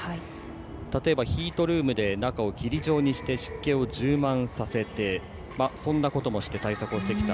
例えば、ヒートルームで中を霧状にして湿気を充満させてそんなこともして対策をしてきた。